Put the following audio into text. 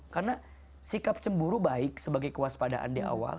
karena sikap cemburu baik sebagai kewaspadaan di awal